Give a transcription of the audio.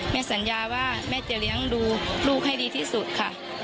สัญญาว่าแม่จะเลี้ยงดูลูกให้ดีที่สุดค่ะ